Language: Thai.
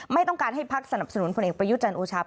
ไม่ต้องการให้พักสนับสนุนพลเอกประยุจันทร์โอชา